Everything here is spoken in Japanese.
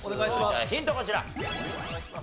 ヒントこちら。